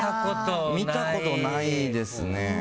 見たことないですね。